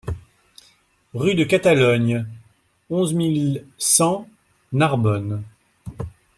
Rue de Catalogne, onze mille cent Narbonne